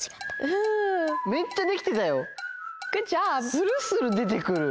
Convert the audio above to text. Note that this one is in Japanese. するする出てくる！